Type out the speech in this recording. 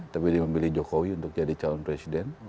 tapi dia memilih jokowi untuk jadi calon presiden